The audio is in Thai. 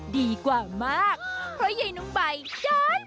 ดีกว่ามากเพราะไอ้นุ้งใบย้อน